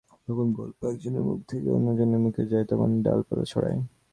গল্প যখন এক জনের মুখ থেকে অন্য জনের মুখে যায়, তখন ডালপালা ছড়ায়।